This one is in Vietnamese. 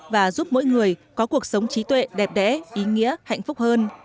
và giúp mỗi người có cuộc sống trí tuệ đẹp đẽ ý nghĩa hạnh phúc hơn